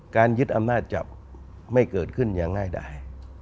ยึดอำนาจจับไม่เกิดขึ้นอย่างง่ายได้